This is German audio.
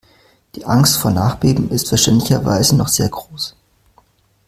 Die Angst vor Nachbeben ist verständlicherweise noch sehr groß.